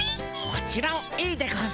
もちろんいいでゴンス。